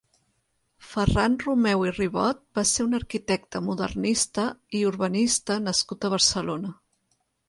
Ferran Romeu i Ribot va ser un arquitecte modernista i urbanista nascut a Barcelona.